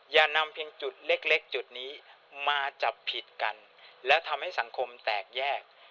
อย่านำเพียงจุดเล็กจุดนี้มาจับผิดกันและทำให้สังคมแตกแยก